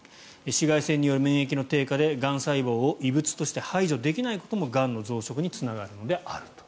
紫外線による免疫の低下でがん細胞を異物として排除できないこともがんの増殖につながるのであると。